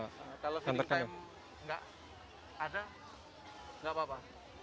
kalau jadi time nggak ada nggak apa apa